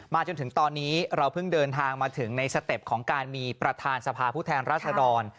จนถึงตอนนี้เราเพิ่งเดินทางมาถึงในสเต็ปของการมีประธานสภาผู้แทนราษดร